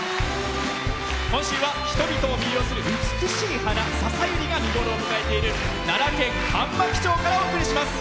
今週は人々を魅了する美しい花ササユリが見頃を迎えている奈良県上牧町からお送りします。